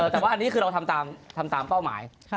แต่ว่าอันนี้คือเราทำตามเป้าหมาย